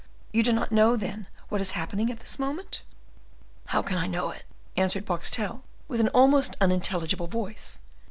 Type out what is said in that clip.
you do not know, then, what is happening at this moment?" "How can I know it?" answered Boxtel, with an almost unintelligible voice.